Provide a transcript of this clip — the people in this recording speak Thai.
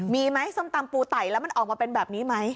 มีไหมส้มตำปูไต่แล้วมันออกมาเป็นแบบนี้ไหม